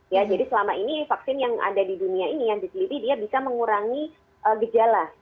ya jadi selama ini vaksin yang ada di dunia ini yang dipilih dia bisa mengurangi gejala